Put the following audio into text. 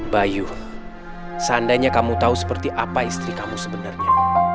bayu seandainya kamu tahu seperti apa istri kamu sebenarnya